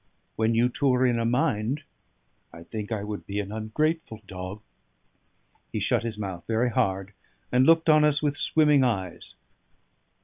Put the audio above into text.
When you two are in a mind, I think I would be an ungrateful dog " He shut his mouth very hard, and looked on us with swimming eyes.